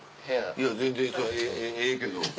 いや全然それはええけど。